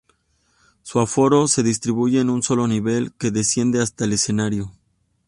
Su aforo se distribuye en un solo nivel que desciende hasta el escenario.